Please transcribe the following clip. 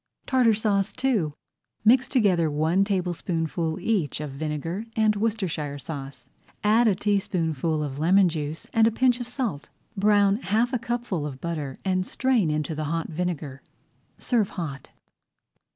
TARTAR SAUCE II Mix together one tablespoonful each of vinegar and Worcestershire sauce, add a teaspoonful of lemon juice and a pinch of salt. Brown half a cupful of butter and strain into the hot vinegar. Serve hot.